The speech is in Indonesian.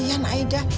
aduh kasihan aida